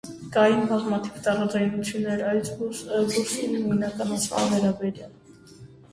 Կային բազմաթիվ տարաձայնություններ այս բուսի նույնականացման վերաբերյալ։